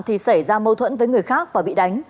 thì xảy ra mâu thuẫn với người khác và bị đánh